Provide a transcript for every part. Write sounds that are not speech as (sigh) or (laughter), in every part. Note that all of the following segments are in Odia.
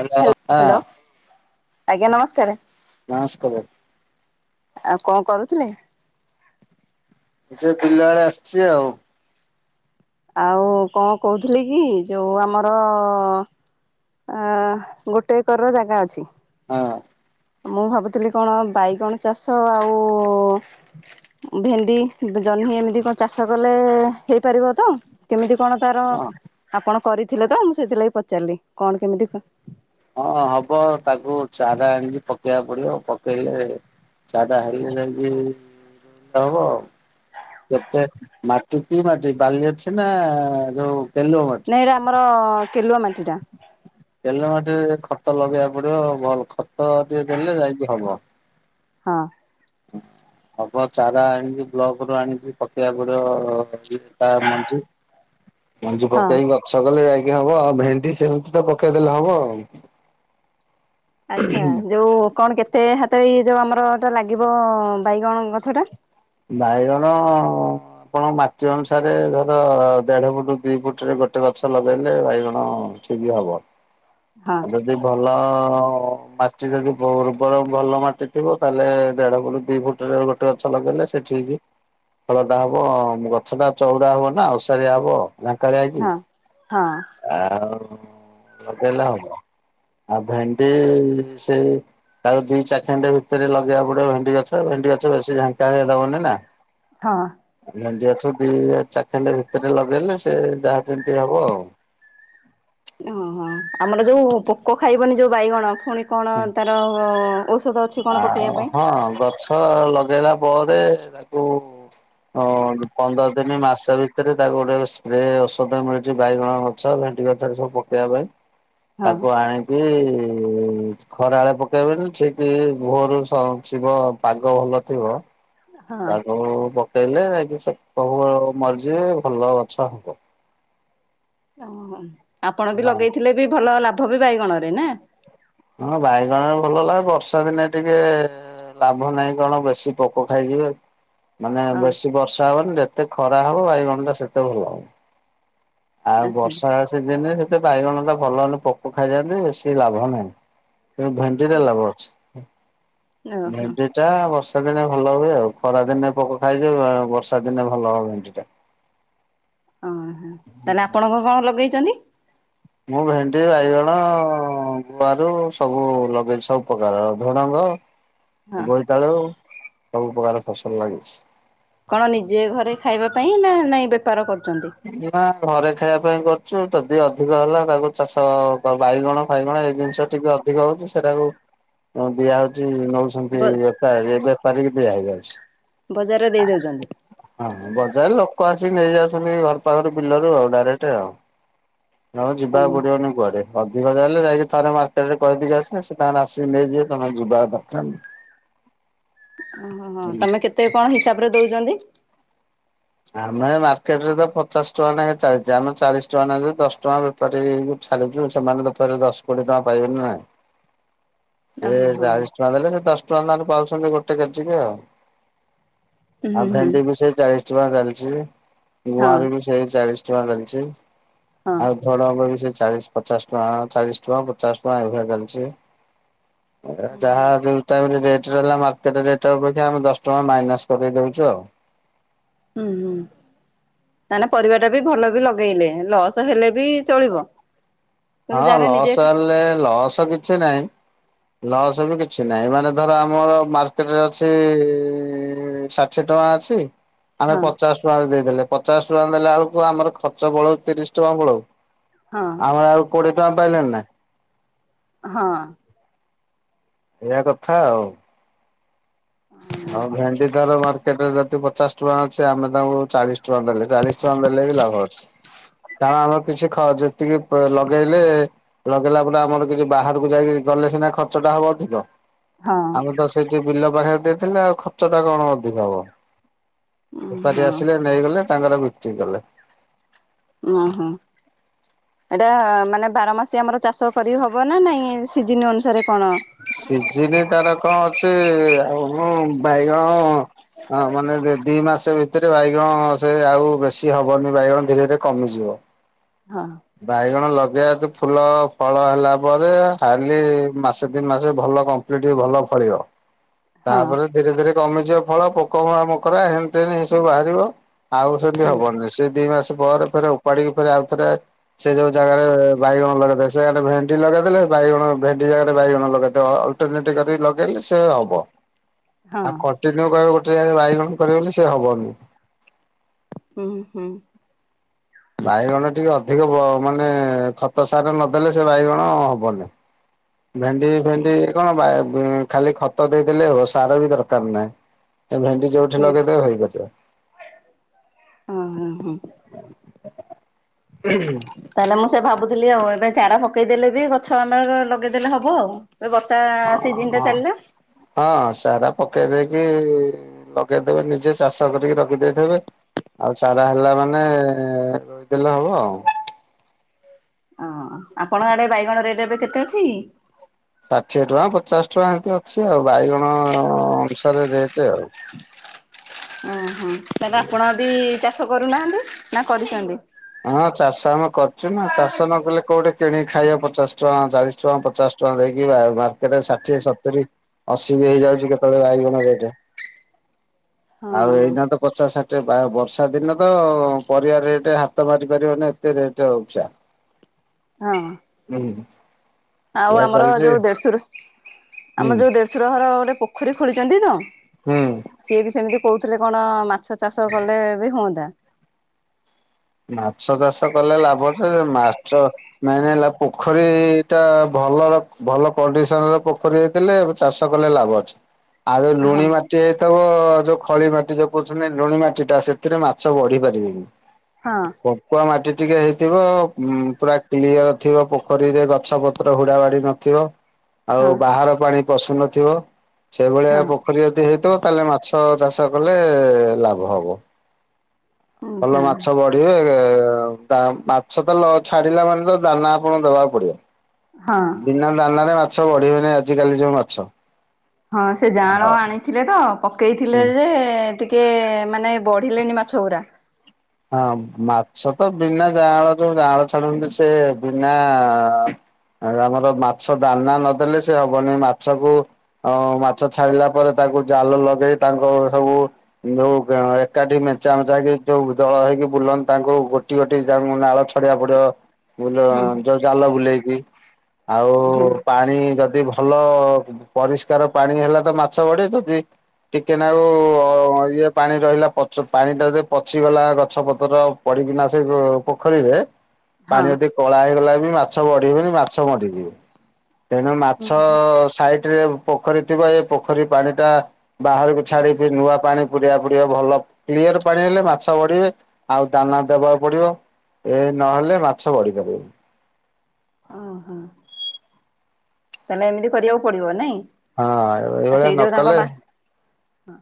ହ୍ୟାଲୋ ଅପା। ଆଜ୍ଞା ନମସ୍କାର। ନମସ୍କାର। ଆଉ କଣ କରୁଥିଲେ? ମୁଁ ଟିକେ ବିଲ ଆଡେ ଆସିଛି ଆଉ। ଆଉ କଣ କହୁଥିଲି କି ଯୋଉ ଆମର ଆଁ ଗୋଟେ ଏକର ର ଜାଗା ଅଛି। ହଁ। ମୁଁ ଭାବୁଥିଲି କଣ ବାଇଗଣ ଚାଷ ଆଉ ଭେଣ୍ଡି ଜହ୍ନି ଏମିତି କଣ ଚାଷ କଲେ ହେଇପାରିବ ତ? କେମିତି କଣ ତାର ହଁ ଆପଣ କରିଥିଲେ ତ ମୁଁ ସେଥିଲାଗି ପଚାରିଲି କଣ କେମିତି ହଁ ହବ ତାକୁ ଚାରା ଆଣିକି ପକେଇବାକୁ ପଡିବ ପକେଇଲେ ଚାରା ହେଲେ ଯାଇକି ରୋଇଲେ ହବ। କେତେ ମାଟି କି ମାଟି ବାଲି ଅଛି ନା ଯୋଉ କେଲୁଅ ମାଟି ସେଇଟା ଆମର କେଲୁଆ ମାଟିଟା। କେଲୁଆ ମାଟି ଖତ ଲଗେଇବାକୁ ପଡିବ ଭଲ ଖତ ଟିକେ ଦେଲେ ଯାଇକି ହବ। ହଁ। ହୁଁ। ହବ ଚାରା ଆଣିକି ବ୍ଲକରୁ ଆଣିକି ପକେଇଆକୁ ପଡିବ (inaudible) ତା ମଞ୍ଜି। ମଞ୍ଜି ହଁ। ପକେଇକି ଗଛ କଲେ ଯାଇକି ହବ ଆଉ ଭେଣ୍ଡି ସେମିତି ତ ପକେଇଦେଲେ ହବ। ଆଚ୍ଛା। ଯୋଉ କଣ କେତେ ହାତ ଏଇ ଯୋଉ ଆମର ଟା ଲାଗିବ ବାଇଗଣ ଗଛ ଟା? ବାଇଗଣ। ଆପଣ ମାଟି ଅନୁସାରେ ଧର ଦେଢ ଫୁଟ ଦି ଫୁଟରେ ଗୋଟେ ଗଛ ଲଗେଇଲେ ବାଇଗଣ। ଠିକ୍ ହବ। ହଁ ଆଉ ଯଦି ଭଲ ମାଟି ଯଦି (unintelligible) ଉର୍ବର ଭଲ ମାଟି ଥିବ ତାହେଲେ ଦେଢ ଫୁଟ, ଦି ଫୁ ଟ ର ଗୋଟେ ଗଛ ଲଗେଇଲେ ସେ ଠିକି। ଫଳଟା ହବ ଗଛଟା ଚଉଡ଼ା ହବ ନା ଓଷାରିଆ ହବ। ଝଙ୍କାଳିଆ ହେଇକି ହଁ ହଁ ଆଉ ଲଗେଇଲେ ହବ। ଆଉ ଭେଣ୍ଡି ସେଇ। ତାକୁ ଦି ଚାଖେଣ୍ଡେ ଭିତରେ ଲଗେଇବାକୁ ପଡିବ ଭେଣ୍ଡି ଗଛ ଭେଣ୍ଡି ଗଛ ବେଶୀ ଝଙ୍କାଳିଆ ଦବନି ନା। ହଁ। ଭେଣ୍ଡି ଗଛ ଦି ଚାଖେଣ୍ଡେ ଭିତରେ ଲଗେଇଲେ ସେ ଯାହା ଯେମିତି ହବ ଆଉ। ଏ ହଁ ହଁ ଆମର ଯୋଉ ପୋକ ଖାଇବନି ଯୋଉ ବାଇଗଣ ପୁଣି। କଣ ତାର ଔଷଧ ଅ ଆ ହଁ ଗଛ ଲଗେଇଲା ପରେ ତାକୁ। ହଁ ପନ୍ଦର ଦିନି ମାସେ ଭିତରେ ତାକୁ ଗୋଟେ ସ୍ପ୍ରେ ଔଷଧ ମିଳୁଛି ବାଇଗଣ। ଛ ଭେଣ୍ଡି ଗଛ ରେ ସବୁ ପକେଇବା ପାଇଁ। (inaudible) ତାକୁ ଆଣିକି ଖରା ବେଳେ ପକେଇବେନି ଠିକ। ଇ ଭୋରୁ ସ ଥିବ ପାଗ ଭଲ ଥିବ। ହଁ। ତାକୁ ପକେଇଲେ ଯାଇକି ସେ (unintelligible) ମରିଯିବେ ଭଲ ଗଛ ହବ। ଏ ହଁ ହଁ ହଁ ଆପଣ ବି ହଁ ଲଗେଇଥିଲେ ବି ଭଲ ଲାଭ ବି ବାଇଗଣରେ ନା। ହଁ ବାଇଗଣରେ ଭଲ ଲାଭ ବର୍ଷା ଦିନେ ଟିକେ। ଏ ଲାଭ ନାହିଁ କଣ ବେଶୀ ପୋକ ଖାଇଯିବେ। ମାନେ ହଁ। ବେଶୀ ବର୍ଷା ହବନି ଯେତେ ଖରା ହବ ବାଇଗଣ ଟା ସେତେ ଭଲ। ଆଉ ଆଚ୍ଛା ବର୍ଷା ସିଜିନରେ ସେ ତ ବାଇଗଣ ଟା ଭଲ ହେଲେ ପୋକ ଖାଇଯାଆନ୍ତି ବେଶୀ ଲାଭ ନାହିଁ। ଉଁ ଭେଣ୍ଡି ରେ ଲାଭ ଅଛି ଓହୋ ଭେଣ୍ଡି। ଟା ବର୍ଷା ଦିନେ ଭଲ ହୁଏ ଆଉ ଖରା ଦିନେ ପୋକ ଖାଇଯିବେ ବା ବର୍ଷା ଦିନେ ଭଲ ଭେଣ୍ଡି ଟା। ଓହୋ। ତାହେଲେ ଆପଣ କଁ କଁ ଲଗେଇଛନ୍ତି? ମୁଁ ଭେଣ୍ଡି, ବାଇଗଣ, ଗୁଆ ରୁ ସବୁ ଲଗେଇଚି ସବୁ ପ୍ରକାରର ଝୁଡଙ୍ଗ। ହ ବୋଇତାଳୁ ସବୁ ପ୍ରକାର ଫସଲ ଲାଗିଛି। କଣ ନିଜେ ଘରେ ଖାଇବା ପାଇଁ ନା ନାଇଁ ବେପାର କରୁଛନ୍ତି? ନା ଘରେ ଖାଇବା ପାଇଁ କରୁଛୁ ଯଦି ଅଧିକ ହେଲା ତାକୁ ଚାଷ ବା-ବାଇଗଣ ଫାଇଗଣ ଏଇ ଜିନିଷ। ଟିକେ ଅଧିକ ହଉଛି ସେଟା କୁ ଉଁ ଦିଆହଉଛି ନଉ ବ ଛନ୍ତି ବେପାରୀ ବେପାରୀ କି ଦିଆ ହେଇଯାଉଛି। ବଜାରରେ ଦେଇ ଦଉଛନ୍ତି। ହଁ ହଁ ବଜାର ଲୋକ ଆସିକି ନେଇଯାଉଛନ୍ତି ଘର ପାଖରେ ବିଲରୁ ଆଉ ଡାଇରେକ୍ଟ ଆଉ। ରହ ଓ ଯିବାକୁ ପଡିବନି କୁଆଡେ। ଅଧିକ ଜାଣିଲେଯାଇକି ଥରେ ମାର୍କେଟ ରେ କହିଦେଇଛି ଆସିଲେସେ ତାଙ୍କର ଆସିକି ନେଇଯିବେ ତମେ ଯିବା ଦରକାର ନାହିଁ। ଓ ହଁ ହିଁ ନାହିଁ। ତମେ କେତେ କଣ ହିସାବରେ ଦଉଚନ୍ତି? ଆମେ ମାର୍କେଟରେ ତ ପଚାଶ ଟଙ୍କା ଲାଖେ ଚାଲିଛିଆମେ ଚାଳିଶ ଟଙ୍କା ନେଲୁ ଦଶ ଟଙ୍କା। ପରେ ଏ ଯୋଉ ଛାଡିଛୁ ସେମାନେ ତ ଫରେ ଦଶ କୋଡିଏ ଟଙ୍କା ପାଇବେନି ନା। (inaudible) ସେ ଚାଳିଶ ହୁଁ ଟଙ୍କା ଦେଲେ ସେ ଦଶ ଟଙ୍କା ଲାଖେ ପାଉଛନ୍ତି ଗୋଟେ କେଜି ରେ ଆଉ। ଆଉ ହୁଁ ଭେଣ୍ଡି ବି ସେଇ ଚାଳିଶ ଟଙ୍କା ଚାଲିଛି ହଁ ଗୁଆଁର ବି ସେଇ ଚାଳିଶ ୁଆ ଚାଲିଛି ହଁ। ଆଉ। ଝୁଡ଼ଙ୍ଗ ବି ସେ ଚାଳିଶ ପଚାଶ ଟଙ୍କା ଚାଳିଶ ଟଙ୍କା ପଚାଶ ଟଙ୍କା ଏଭଳିଆ ଚାଲିଛି। ହୁଁ ଯାହା ହୁଁ ଯୋଉ। ତାପରେ ରେଟ ରହିଲା ମାର୍କେଟ ରେଟ୍ ଅପେକ୍ଷା ଆମେ ଦଶ ଟଙ୍କା ମାଇନସପକେଇଦଉଛୁ ଆଉ। ହୁଁ ହୁଁ। ସେମାନେ ପରିବା ଟା ବି ଭଲରେ ଲଗେଇଲେ ଲସ ହେଲେ ବି ଚଳିବ। କିନ୍ତୁ ହଁ ଯାହାର ନିଜେ ଲସ୍ ହେଲେ ଲସ୍ କିଛି ନାହିଁ। ଲସ୍ ବି କିଛି ନାହିଁ ମାନେ ଧର ଆମର ମାର୍କେଟରେ ଅଛି ଷାଠିଏ ଟଙ୍କା ଅଛି। ଆମେ ହଁ ପଚାଶ ଟଙ୍କା ଦେଇଦେଲେ ପଚାଶ ଟଙ୍କା ଦେଲାବେଳକୁ ଆମର ଖର୍ଚ୍ଚ ପଳଉ ତିରିଶ ଟଙ୍କା ପଳଉ। ହଁ ଆମେ ଆଉ କୋଡ଼ିଏ ଟଙ୍କା ପାଇଲେଣି ନା। ହଁ। ଏଇଆ କଥା ଆଉ। ଆଉ ଭେଣ୍ଡି ତାର ମାର୍କେଟ ରେ ଯଦି ପଚାଶ ଟଙ୍କା ଅଛି ଆମେ ତାଙ୍କୁ ଚାଳିଶ ଛୁଆ ନେଲେଚାଳିଶ ଟଙ୍କା ନେଲେ ବି ଲାଭ ଅଛି କାରଣ ଆମର କିଛି ଯେତିକି ଲଗେଇ ହେଲେ ଲଗେଇଲା ପରେ ଆମର କିଛି ବାହାରକୁ ଯାଇକି ଗଲେ ସିନା ଖର୍ଚ୍ଚ ଟା ହବ ଅଧିକ। ହଁ। ମୁ ତ ସେଇଠି ବିଲ ପାଖରେ ଦେଇଥିଲେ ଖର୍ଚ୍ଚ ଟା କଣ ଅଧିକ ହଵ। ହଁ ବେପାରୀ ଆସିଲେ ନେଇଗଲେ ତାଙ୍କର ବିକ୍ରି କଲେ। ଓ ହୋ। ଏଇଟା ମାନେ ବାର ମାସି ଆମର ଚାଷ କରି ହବ ନା ନାଇଁ ସିଜିିନ ଅନୁସାରେ କଣ। ସିଝିନି ତାର କଣ ଅଛି ଆଉ ମୁଁ ବାଇଗଣ ହଁ ମାନେ (unintelligible) ଦି ମାସ ଭିତରେ ବାଇଗଣ ସେ ଆଉ ବେଶୀ ହବନି ବାଇଗଣ ଧୀରେ ଧୀରେ କମିଯିବ। ହଁ। ବାଇଗଣ ଲଗେଇବାତ ଫୁଲ ଫଳ ହେଲା ପରେ ଖାଲି ମାସେ ଦିନି ମାସେ ଭଲ କମ୍। ଟିକେ ଟିକେ ଭଲ ଫଳିବ। ହ (unintelligible) ତାପରେ ଧୀରେ ଧୀରେ କମିଯିବ ଫଳ ପୋକରା ମକରା ହେନ ଟେନଏସବୁ ବାହାରିବ। ଆଉ ସେମିତି ହୁଁ ହବନି ସେ ଦି ମାସ ପରେ ଉପାଡିକି ଫରେ ଆଉ ଥରେ ସେ ଯୋଉ ଜାଗାରେ ବାଇଗଣ ଲଗେଇ ସେ ଜାଗାରେ ଭେଣ୍ଡି ଲଗେଇ ଦେଲେ ବାଇଗଣ ଭେଣ୍ଡି ଜାଗାରେ ବାଇଗଣ ଲଗେଇ ଦବ। ଏମିତି କରିକିଲଗେଇଲେ ସେ ହବ। (unintelligible) ଆଉ କଣ୍ଟିନ୍ୟୁ କହିବ ଗୋଟେ ଜାଗାରେ ବାଇଗଣ କରିବ ବୋଲି ସେ ହବନି। ହୁଁ ହୁଁ। ବାଇଗଣ ଟିକେ ଅଧିକ ମାନେ ଖତ ସାର ନଦେଲେ ସେ ବାଇଗଣ ହବନି। ଭେଣ୍ଡି ଫେଣ୍ଡି କଣ ବ ଖାଲି ଖତ ଦେଇଦେଲେ ହବ ସାର ବି ଦରକାର ନା। ଏ ଭେଣ୍ଡି ଯୋଉଠି ହୁଁ ଲଗେଇଦବ ହେଇପାରିବ। ଉଁ ହୁଁ। (unintelligible) (unintelligible) ମୁଁ ସେ ଭାବୁଥିଲି ଆଉ। ଏବେ ଚାରା ପକେଇଦେଲେ ବି ଗଛ ଆମର ଲଗେଇଦେଲେ ହବ ଆଉ। ଏ ବର୍ଷା ହଁ ସିଜିନ ଟା ହଁ, ଚାଲିଲା ହଁ ସାର ପକେଇ ଦେଇକି ଲଗେଇଦେବେ ନିଜେ ଚାଷ କରିକି ରଖିଦେଇଥିବେ। ଆଉ ଚାରା ହେଲା ମାନେ ରୋଇଦେଲେ ହବ ଆଉ। ଅଁ ଆପଣଙ୍କ ଆଡେ ବାଇଗଣ ରେଟ୍ ଏବେ କେତେ ଅଛି? ଷାଠିଏ ଟଙ୍କା, ପଚାଶ ଟଙ୍କା ଏନ୍ତି ଅଛି ଆଉ। ବାଇଗଣ ଅନୁସାରେ ରେଟ୍ ଆଉ। ଅଁହଁ, ତାହେଲେ ଆପଣ ବି ଚାଷ କରୁନାହାନ୍ତି ନା କରିଛନ୍ତି? ହଁ ଚାଷ ଆମେ କରିଚୁ ନା। ଚାଷ ନ କଲେ କୋଉଠି କିଣିକି ଖାଇବା ପଚାଶ ଟଙ୍କା, ଚାଳିଶ ଟଙ୍କା, ପଚାଶ ଟଙ୍କା ଦେଇକି ଆଉ (unintelligible) ଷାଠିଏ, ସତୁରି ଅଶୀ ବି ହେଇଯାଉଛି କେତେବେଳେ ବାଇଗଣ ରେଟ। (inaudible) ଆଉ ହଁ। ଏଇନା ତ ପଚାଷ, ଷାଠିଏ। ବା ବର୍ଷା ଦିନ ତ ପରିବା ରେଟ ହାତ ହାତ ମାରିପାରିବନି ଏତେ ରେଟ ଉଞ୍ଚା। ହଁ। ହୁଁ। ଆଉ ଏଇଆ ଆମର ଚାଲିଛି ଯୋଉ ଦେଢଶୁର, ହୁଁ ଆମର ଯୋଉ ଦେଢଶୁର ଘର ଗୋଟେ ପୋଖରୀ ଖୋଳିଛନ୍ତି ତ। ହୁଁ। ସିଏ ବି ସେମିତି କହୁଥିଲେ କଣ ମାଛ ଚାଷ କଲେ ବି ହୁଅନ୍ତା। ମାଛ ଚାଷ କଲେ ଲାଭ ଯେ, ମାଛ ମେନ ହେଲା ପୋଖରୀ ଟା ଭଲର ଭଲ କଣ୍ଡିସନର ପୋଖରୀ ହେ ଥିଲେ ଚାଷ କଲେ ଲାଭ ଅଛି। (inaudible) ଆଉ ଏ ହଁ ଲୁଣି ମା ଟି ହେଇଥବ ଯୋଉ ଖଳି ମାଟି, ଯୋଉ କହୁଛନ୍ତି ଲୁଣି ମାଟି ଟା ସେଥିରେ ମାଛ ବଢି ପାରିବେନି। ହଁ। ପଙ୍କୁଆ ମାଟି ଟିକେ ହେଇଥିବ। ଉଁ ପୁରା କ୍ଲିଅର ଥିବ ପୋଖରୀରେ ଗଛପତ୍ର ହୁଡ଼ା ବାଡ଼ି ନଥିବ। (inaudible) ଆଉ ବାହାର ପାଣି ପଶୁନଥିବ। ସେଇଭଳିଆ ହଁ ପୋଖରୀ ଯଦି ହେଇଥବ ତାହଲେ ମାଛ ଚାଷ କଲେ ଲାଭ ହବ। ଉଁ ଭଲ ହଁ ମାଛ ବଢିବେ। ତା ମାଛ ତଲ ଛାଡିଲା ମାନେ ତ ଦାନା ଆପଣଙ୍କୁ ଦବାକୁ ପଡିବ। ହଁ। ବିନା ଦାନାରେ ମାଛ ବଢିବେନି ଆଜିିକାଲି ଯୋଉ ମାଛ। ହଁ ସେ ଯାଅଁଳ ଆଉ ଆଣିଥିଲେ ତ ପକେଇଥିଲେ ଯେ ଟିକେ ମାନେ ବଢିଲେନି ମାଛଗୁରା। ହଁ ମାଛ ତ ବିନା ଯାଆଁଳ ଯୋଉ ଯାଆଁଳ ଛାଡନ୍ତି ସେ ବିନା ଆଉ ଆମର ମାଛ ଦାନା ନଦେଲେ ସେ ହବନି ମାଛକୁ ଅଁ ମାଛ ଛାଡିଲା ପରେ ତାଙ୍କୁ ଜାଲ ଲଗେଇ ତାଙ୍କ ସବୁ ଯୋଉ ଗଁ ଏକାଠି ମେଞ୍ଚା ମେଞ୍ଚା ହେଇକି ଯୋଉ ଦଳ ହେଇକି ବୁଲନ୍ତି ତାଙ୍କୁ ଗୋଟି ଗୋଟି (unintelligible) ପଡିବ। ବୁଲ ହୁଁ ଯୋଉ ଜାଲ ବୁଲେଇକି, ଆଉ ହୁଁ ପାଣି ପାଣି ଯଦି ଭଲ ପରିଷ୍କାର ପାଣି ହେଲା ତ ମାଛ ବଢ଼େ ଯଦି ଟିକେ ନାକୁ ଇଏ ପାଣି ରହିଲା ପଛ ପାଣି ଟା ଯଦି ପଛ ପଚି ଗଲା ଗଛ ପତ୍ର ପଡିକିନା ସେ ପୋଖରୀରେ ହଁ। ପାଣି ଆଦି କଳା ହେଇଗଲା ବି ମାଛ ବଢ଼ୀବେନି ମାଛ ମରିବେ। ତେଣୁ ମାଛ ସାଇଟ ରେ ପୋଖରୀ ଥିବ ଏ ପୋଖରୀ ପାଣି ଟା ବାହାରକୁ ଛାଡିି ପି ନୂଆ ପାଣି ପୁରେଇବାକୁ ପଡିବ ଭଲ କ୍ଲିୟର ପାଣି ହେଲେ ମା ଛ ବଢିବେ ଆଉ ଦାନା ଦେବାକୁ ପଡିବ ଏ ନହେଲେ ମାଛ ବଢି ପାରିବେନି। ଅଁ ହଁ। ତାହେଲେ ଏମିତି କରିବାକୁ ପଡିବ ନାଇଁ? ହଁ ଏଇଭଳିଆ ସେଇ ଯୋଉ ତାଙ୍କ ନକଲେ ମା ହଁ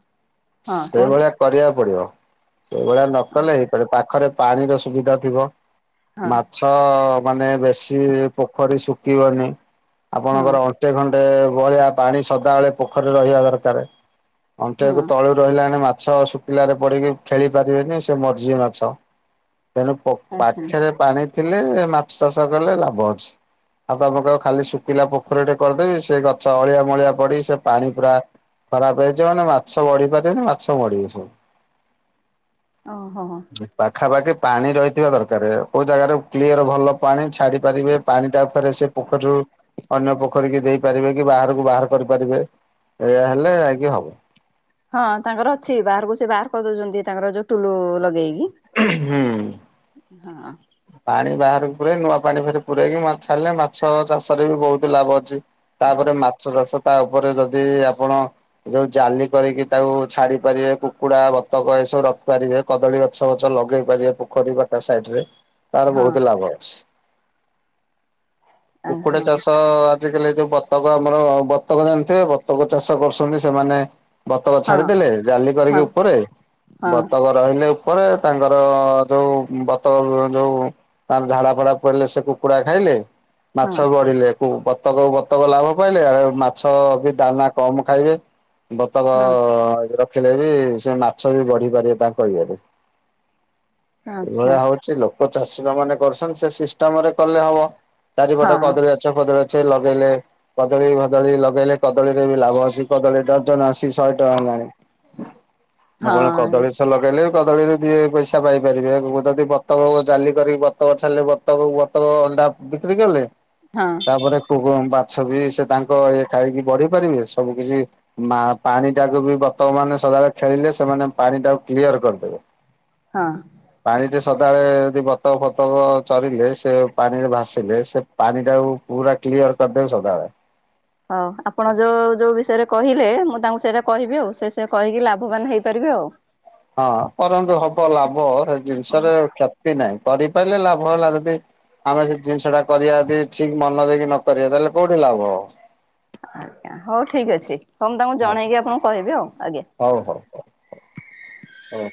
ହଁ କୁହନ୍ତୁ ସେଇଭଳିଆ କରିବାକୁ ପଡିବ ସେଇଭଳିଆ ହଁ ନକଲେ ହେଇପାରି ପାଖରେ ପାଣିର ସୁବିଧା ଥିବ ହଁ ମାଛ। ତ ମାନେ ବେଶୀ ପୋଖରୀ ଶୁଖିବନି ହଁ ଆପଣଙ୍କର ଅ ଗୋଟେ ଖଣ୍ଡେ ବହଳିଆ ପାଣି ସଦାବେଳେ ପୋଖରୀ ରେ ରହିବା ଦରକାର ଅଣ୍ଟେ ହଁ ଳୁ ରହିଲାଣି ମାଛ ଶୁଖିଲାରେ ପଡିକି ଖେଳି ପାରିବେନି ସେ ମରିଯିବେ ମାଛ। ତେଣୁ ପୋ ଆଚ୍ଛା ପାଖରେ ପାଣି ଥିଲେ ମାଛ ଚାଷ କଲେ ଲାଭ ଅଛି। ଆଉ ତମେ କହିବ ଖାଲି ଶୁଖିଲା ପୋଖରୀ ଟେ କରିଦେବି ସେ ଗଛ ଅଳିଆ ମଳିଆ ପଡି ସେ ପାଣି ପୁରା ଖରାପ ହେଇଥିବ ମାନେ ମାଛ ବଢିପାରିବେନି ମାଛ ମରିବେ ସବୁ। ଓହୋ ହୋ। ପାଖାପାଖି ପାଣି ରହିଥିବା ଦରକାରେ କୋଉ ଜାଗାରେ କ୍ଲିୟର ଭଲ ପାଣି ଛାଡି ପାରିବେ ପାଣି ଟା ଆଉ ଥରେ ସେ। ପୋଖରୀରୁ ଅନ୍ୟ ପୋଖରୀ କି ଦେଇ ପାରିବେ କି ବାହାରକୁ ବାହାର କରିପାରିବେ। ଏଇଆ ହେଲେ ଯାଇକି ହବ। ହଁ ତାଙ୍କର ଅଛି ବାହାରକୁ ସେ ବାହାର କରିଦଉଛନ୍ତି ତାଙ୍କର ଯୋଉ ଟୁଲୁ ଲଗେଇକି। ହୁଁ। ହଁ। ପାଣି ବାହାରକୁରେ ନୂଆ ପାଣି ଫେରେ ପୂରେଇକି ମାଛ ଛାଡ଼ିଲେ ମାଛ ଚାଷରେ ବି ବହୁତ ଲାଭ ଅଛି। ତାପରେ ମାଛ ଚାଷ ତା ଉପରେ ଯଦି ଆପଣ ଯୋଉ ଜାଲି କରିକି ତାକୁ ଛାଡି ପାରିବେ କୁକୁଡା ବତକ ଏସବୁ ରଖିପାରିବେ। କଦଳୀ ଗଛ ବଛ ଲଗେଇ ପାରିବେ ପୋଖରୀ ବାଟ ସାଇଡରେ ତାର ହଁ ବହୁତ ଲାଭ ଅଛି। କୁକୁଡ଼ା ହଁ ଚାଷ। ଆଜିକାଲି ଯୋଉ ବତକ ଆମର ବତକ ଜାଣିଥିବେ ବତକ ଚାଷ କରୁଛନ୍ତି ସେମାନେ। ବତକ ହଁ ଛାଡିଦେଲେ ଜାଲି କରିକି ହଁ ଉପରେ ହଁ ବତକ ରହିଲେ ଉପରେ ତାଙ୍କର ଯୋଉ ବତକ ଯୋଉ ତାର ଝାଡା ଫାଡା ପଇଲେ ସେ କୁକୁଡ଼ା ଖାଇଲେ ହଁ ମାଛ ବଢିଲେ। ବତକକୁ ବତକ ଲାଭ ପାଇଲେ ମାଛ ବି ଦାନା କମ ଖାଇବେ। ବତକ ହଁ ଖିଲ ବି ସେ ମାଛ ବି ବଢି ପାରିବେ ତାଙ୍କ ଇଏରେ ଆଚ୍ଛା ଏଇଭଳିଆ ହଉଛି। ଲୋକ ଚାଷୀ ମାନେ କରୁଛନ୍ତି ସେ ସିଷ୍ଟମ ରେ କଲେ ହବ ଚାରିପଟେ ହଁ କଦଳୀ। ଗଛ ଫଦଳୀ ଗଛ ବି ଲଗେଇଲେ କଦଳୀ ଭଦଳୀ ଲଗେଇଲେ କଦଳୀରେ ବି ଲାଭ ଅଛି କଦଳୀ ଡଜନ ଆସି ଶହେ ଟଙ୍କା ହେଲାଣି। (inaudible) ଆପଣ ହଁ କଦଳୀ ଗଛ ଲଗେଇଲେ ବି କଦଳୀରୁ ଦି ପଇସା ପାଇପାରିବେ ମୁଁ ଯଦି ବତକ ଜାଲି କରିକି ବତକ ଛାଡ଼ିଲେ ବତକ କୁ ବତକ ଅଣ୍ଡା ବିକ୍ରି କଲେ। ହଁ। ତାପରେ ମାଛ ବି ସେ ତାଙ୍କ ଇଏ ଖାଇକି ବଢି ପାରିବେ ସବୁ କିଛି। ମା ପାଣି ଡାକୁ ବି ବତକ ମାନେ ସଦାବେଳେ ଖେଳିଲେ ସେମାନେ ପାଣି ଟାକୁ କ୍ଲିୟର କରିଦେବେ। ହଁ। ପାଣି ଦିଅ ସଦାବେଳେ। ଦି ବତକ ଫତକ ଚରିଲେ ସେ ପାଣିରେ ଭାସିଲେ ସେ ପାଣି ଟାକୁ ପୁରା କ୍ଲିଅର କରିଦେବି ସଦାବେଳେ। ହଉ ଆପଣ ଯୋଉ ଯୋଉ ବିଷୟରେ କହିଲେ ମୁଁ ତାଙ୍କୁ ସେଇରା କହିବି। ଆଉ ସେ ସେ କହିକି ଲାଭବାନ ହେଇପାରିବେ ଆଉ। ହଁ କରନ୍ତୁ ହବ ଲାଭ ହେ ଜିନିଷରେ କ୍ଷତି ନାହିଁ କରିପାଇଲେ ଲାଭ ହେଲା ଯଦି। ଆମେ ସେ ଜିନିଷଟା କରିୟା ଦି ଠିକ୍ ମନ ଦେଇକି ନକରିୟା ତାହେଲେ କୋଉଠି ଲାଭ ହବ। ଆଜ୍ଞା ହଉ ଠିକ୍ ଅଛି ହଉଂ ତମୁ ହବ। ଜଣେଇକି ଆପଣଙ୍କୁ କହିବି ଆଉ ଆଜ୍ଞା। ହଉ ହଉ। ହଉ।